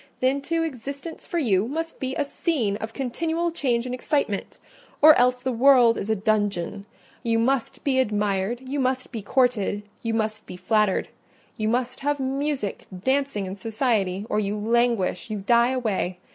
Then, too, existence for you must be a scene of continual change and excitement, or else the world is a dungeon: you must be admired, you must be courted, you must be flattered—you must have music, dancing, and society—or you languish, you die away.